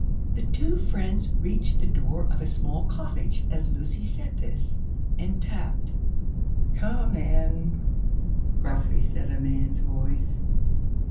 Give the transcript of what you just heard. The two friends reached the door of a small cottage as Lucy said this, and tapped. "Come in!" gruffly said a man's voice.